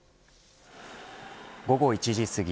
午後１時すぎ